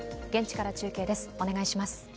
現地から中継です。